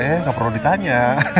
eh gak perlu ditanya